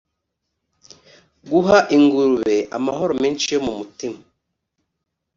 guha ingurube amahoro menshi yo mumutima